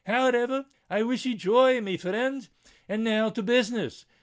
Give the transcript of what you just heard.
However—I wish ye joy, my frind; and now to business.